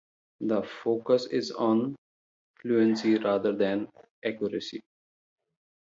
The focus is on fluency rather than accuracy.